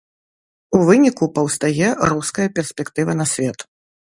У выніку паўстае руская перспектыва на свет.